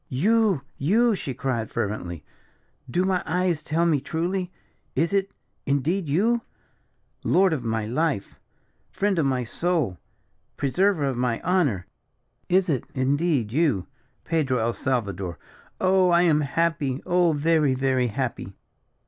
"You! you!" she cried, fervently; "do my eyes tell me truly? Is it, indeed, you? Lord of my life! friend of my soul! preserver of my honour! is it, indeed, you, Pedro el Salvador. Oh, I am happy oh, very, very happy."